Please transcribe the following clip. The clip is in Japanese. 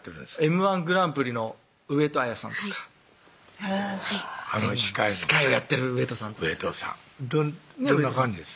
Ｍ−１グランプリの上戸彩さんとかあの司会の司会をやってる上戸さんどんな感じです？